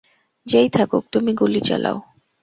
যেই থাকুক তুমি গুলি চালাও।